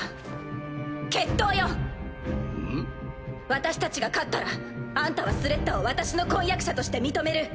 私たちが勝ったらあんたはスレッタを私の婚約者として認める。